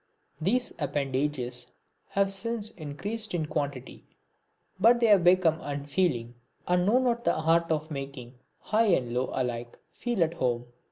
These appendages have since increased in quantity, but they have become unfeeling, and know not the art of making high and low alike feel at home.